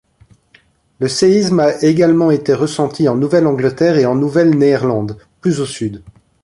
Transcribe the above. Le séisme a également été ressenti en Nouvelle-Angleterre et en Nouvelle-Néerlande, plus au sud.